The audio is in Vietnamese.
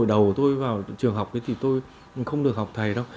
hồi đầu tôi vào trường học thì tôi không được học thầy đâu